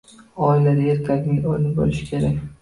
Oilada erkakning o‘rni bo‘lishi kerak.